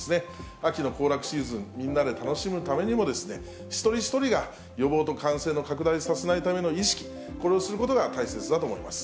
秋の行楽シーズン、みんなで楽しむためにも、一人一人が予防と感染を拡大させないための意識、これをすることが大切だと思います。